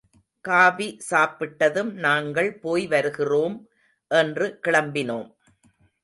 Coffee சாப்பிட்டதும் நாங்கள் போய் வருகிறோம் என்று கிளம்பினோம்.